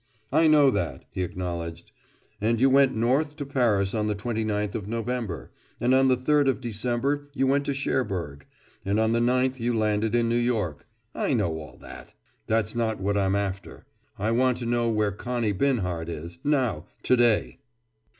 "I know that," he acknowledged. "And you went north to Paris on the twenty ninth of November. And on the third of December you went to Cherbourg; and on the ninth you landed in New York. I know all that. That's not what I'm after. I want to know where Connie Binhart is, now, to day."